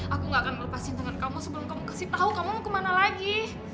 aku gak akan melepaskan tangan kamu sebelum kamu kasih tau kamu mau kemana lagi